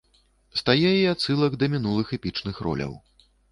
Стае і адсылак да мінулых эпічных роляў.